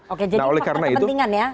oke jadi ada kepentingan ya